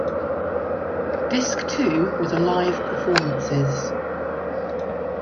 Disc two was a live performances.